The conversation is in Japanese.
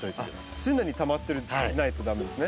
常にたまってないと駄目ですね。